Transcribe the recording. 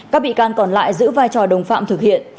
các bị can còn lại giữ vai trò đồng phạm thực hiện